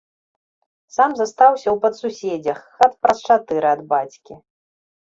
Сам застаўся ў падсуседзях, хат праз чатыры ад бацькі.